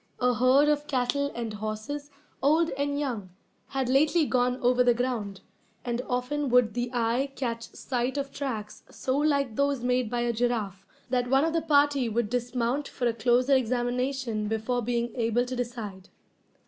A herd of cattle and horses, old and young, had lately gone over the ground, and often would the eye catch sight of tracks so like those made by a giraffe that one of the party would dismount for a closer examination before being able to decide.